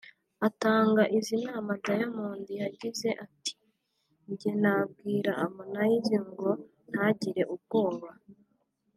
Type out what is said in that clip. Atanga izi nama Diamond yagize ati”Njye nabwira Harmonize ngo ntagire ubwoba